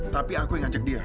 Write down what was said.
tapi aku yang ngajak dia